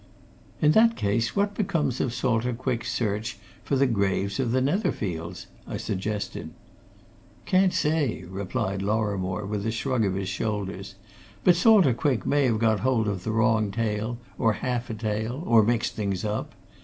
"In that case, what becomes of Salter Quick's search for the graves of the Netherfields?" I suggested. "Can't say," replied Lorrimore, with a shrug of his shoulders. "But Salter Quick may have got hold of the wrong tale, or half a tale, or mixed things up.